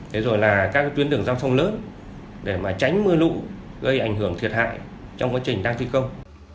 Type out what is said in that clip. thế rồi là các tuyến đường giao thông lớn để mà tránh mưa lũ gây ảnh hưởng thiệt hại trong quá trình đang thi công